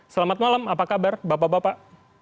selamat malam apa kabar bapak bapak